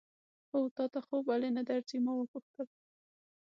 هو، تا ته خوب ولې نه درځي؟ ما وپوښتل.